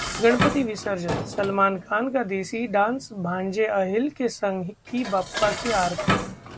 गणपति विसर्जन: सलमान खान का देसी डांस, भांजे आहिल संग की बप्पा की आरती